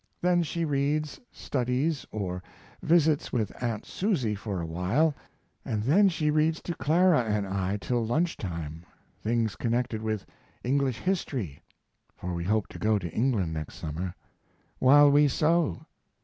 Then she reads studdies or visits with aunt Susie for a while, and then she reads to Clara and I till lunch time things connected with English history (for we hope to go to England next summer) while we sew.